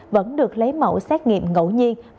vẫn được lấy mẫu xét nghiệm ngẫu nhiên